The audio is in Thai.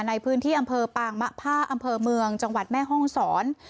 ในพื้นที่อำเภอปางมะผ้าอำเภอเมืองจังหวัดแม่ห้องศร